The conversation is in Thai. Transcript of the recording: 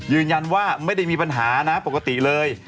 ยืนยันว่าไม่ได้มีปัญหานะปกติเลย